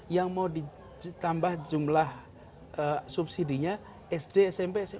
yang mau ditambah jumlah subsidinya sd smp sma